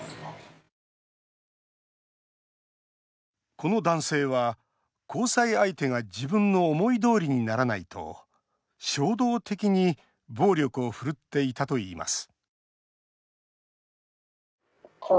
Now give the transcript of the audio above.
この男性は、交際相手が自分の思いどおりにならないと衝動的に暴力を振るっていたといいます